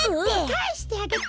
かえしてあげて！